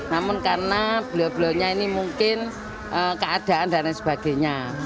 namun karena beliau beliaunya ini mungkin keadaan dan lain sebagainya